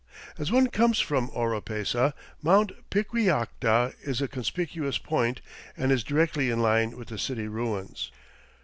As one comes from Oropesa, Mt. Piquillacta is a conspicuous point and is directly in line with the city ruins.